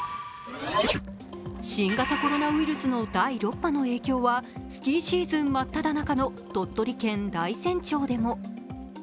新型コロナウイルスの第６波の影響はスキーシーズン真っただ中の鳥取県大山町でも。